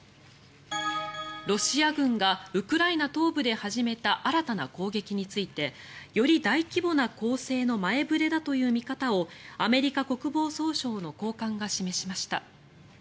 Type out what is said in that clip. ロシア軍がウクライナ東部で始めた新たな攻撃についてより大規模な攻勢の前触れだという見方をアメリカ国防総省の高官が示しました。